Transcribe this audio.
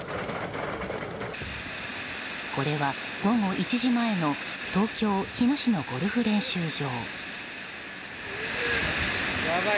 これは、午後１時前の東京・日野市のゴルフ練習場。